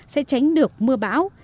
sẽ tránh được mưa bão